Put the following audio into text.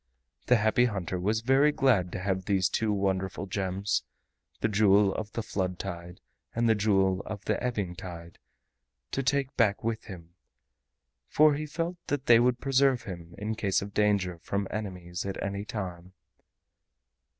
The Happy Hunter was very glad to have these two wonderful gems, the Jewel of the Flood Tide and the Jewel of the Ebbing Tide, to take back with him, for he felt that they would preserve him in case of danger from enemies at any time.